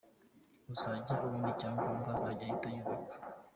Uzajya abona icyangombwa azajya ahita yubaka.